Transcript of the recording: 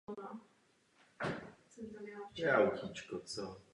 Na to, že vzrostly ceny pohonných hmot přece doplácíme všichni.